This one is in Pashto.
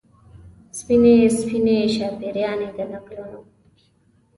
سپینې، سپینې شاپیريانې د نکلونو